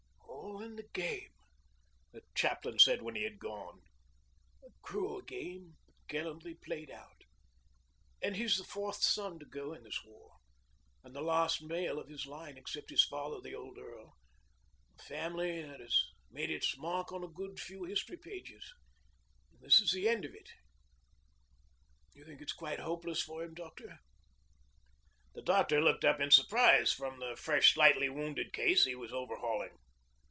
'All in the game,' the chaplain said when he had gone; 'a cruel game, but gallantly played out. And he's the fourth son to go in this war and the last male of his line except his father, the old earl. A family that has made its mark on a good few history pages and this is the end of it. You think it's quite hopeless for him, doctor?' The doctor looked up in surprise from the fresh slightly wounded case he was overhauling.